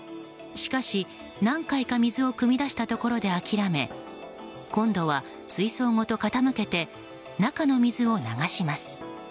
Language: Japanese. しかし、何回か水をくみ出したところで諦め今度は、水槽ごと傾けて中の水を流します。